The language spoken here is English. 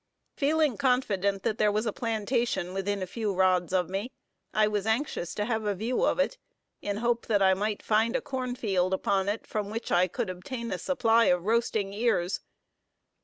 Feeling confident that there was a plantation within a few rods of me, I was anxious to have a view of it, in hope that I might find a corn field upon it, from which I could obtain a supply of roasting ears.